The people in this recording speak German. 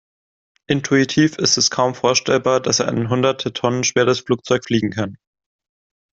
Intuitiv ist es kaum vorstellbar, dass ein hunderte Tonnen schweres Flugzeug fliegen kann.